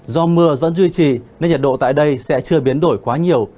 do mưa vẫn duy trì nên nhiệt độ tại đây sẽ chưa biến đổi quá nhiều